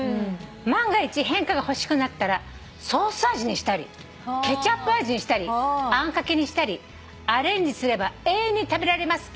「万が一変化が欲しくなったらソース味にしたりケチャップ味にしたりあんかけにしたりアレンジすれば永遠に食べられます」